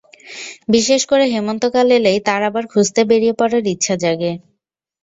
বিশেষ করে হেমন্তকাল এলেই তার আবার খুঁজতে বেরিয়ে পড়ার ইচ্ছা জাগে।